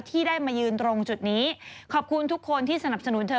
ที่ได้มายืนตรงจุดนี้ขอบคุณทุกคนที่สนับสนุนเธอ